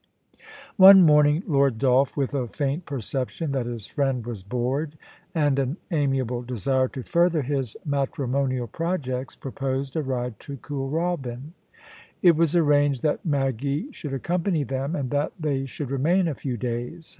One morning Lord Dolph, with a faint perception that his friend was bored and an amiable desire to further his matrimonial projects, proposed a ride to Kooralbyn. It was arranged that Maggie should accompany them, and that they should remain a few days.